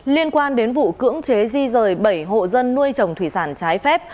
liên quan đến vụ cưỡng chế di rời bảy hộ dân nuôi trồng thủy sản trái phép